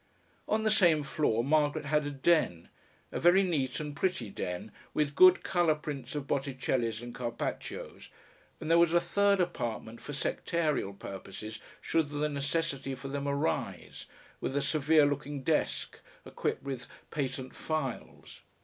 On the same floor Margaret had a "den," a very neat and pretty den with good colour prints of Botticellis and Carpaccios, and there was a third apartment for sectarial purposes should the necessity for them arise, with a severe looking desk equipped with patent files.